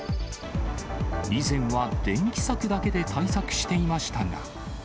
以前は電気柵だけで対策していましたが。